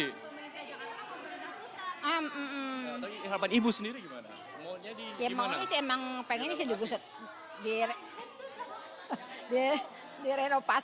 harapan ibu sendiri gimana